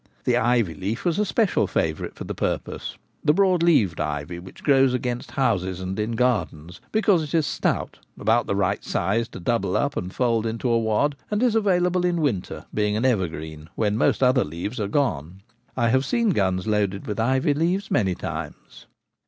The ivy leaf was a special favourite for the purpose — the broad leaved ivy which grows against houses and in gardens — because it is stout, about the right size to double up and fold inta a wad, and is available in winter, being an evergreen,, when most other leaves are gone. I have seen guns loaded with ivy leaves many times.